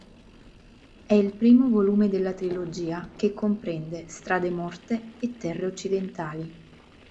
È il primo volume della trilogia che comprende "Strade morte" e "Terre occidentali".